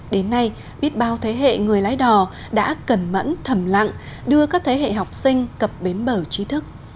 đến nay biết bao thế hệ người lái đò đã cẩn mẫn thầm lặng đưa các thế hệ học sinh cập bến bờ trí thức